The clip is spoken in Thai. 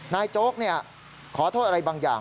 โจ๊กขอโทษอะไรบางอย่าง